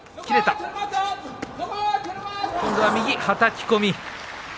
はたき込み。